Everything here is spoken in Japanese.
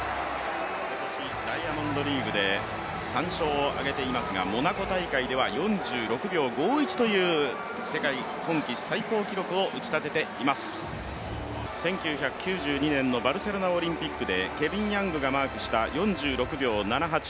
今年、ダイヤモンドリーグで３勝を挙げていますがモナコ大会では４６秒５１という今季最高記録を打ち立てています、１９９２年のバルセロナオリンピックでケビン・ヤングがマークした４６秒７８